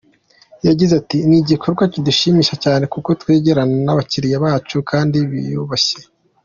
Yagize ati "Ni igikorwa kidushimisha cyane kuko twegerana n’abakiriya bacu kandi biyubashye.